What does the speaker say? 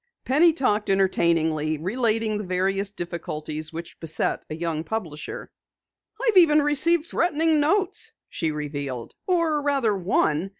Penny talked entertainingly, relating the various difficulties which beset a young publisher. "I've even received threatening notes," she revealed. "Or rather, one.